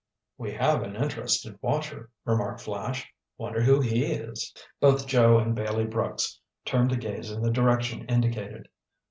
"We have an interested watcher," remarked Flash. "Wonder who he is?" Both Joe and Bailey Brooks turned to gaze in the direction indicated.